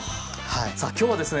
さあ今日はですね